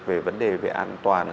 về vấn đề về an toàn